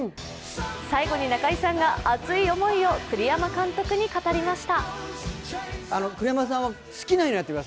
最後に中居さんが熱い思いを栗山監督に語りました。